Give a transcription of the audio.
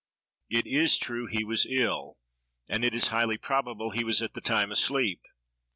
It is true he was ill, and it is highly probable was at the time asleep.